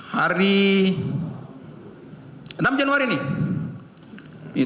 hari enam januari ini